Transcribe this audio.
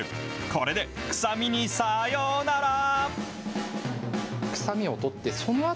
これで臭みにさようなら！